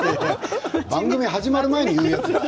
番組始まる前に言うやつですよ。